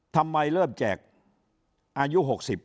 ทำไมเริ่มแจกอายุ๖๐